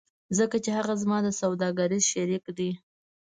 ځکه چې هغه زما سوداګریز شریک دی